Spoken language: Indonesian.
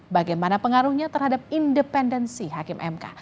bagaimana pengaruhnya terhadap independensi hakim mk